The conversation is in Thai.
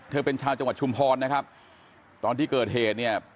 เป็นชาวจังหวัดชุมพรนะครับตอนที่เกิดเหตุเนี่ย